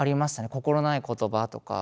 心ない言葉とか。